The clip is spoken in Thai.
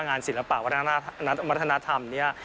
งานศิลปะวัฒนธรรมเนี่ย